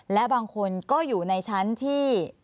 และบางคนก็อยู่ในชั้นที่